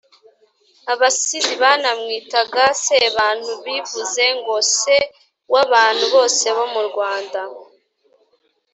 Abasizi banamwitaga Sebantu bivuze ngo: se w'abantu bose bo mu Rwanda